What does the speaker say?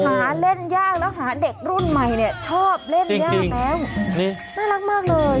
หาเล่นยากแล้วหาเด็กรุ่นใหม่เนี่ยชอบเล่นยากแล้วน่ารักมากเลย